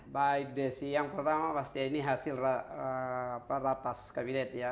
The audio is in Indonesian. baik desi yang pertama pasti ini hasil ratas kabinet ya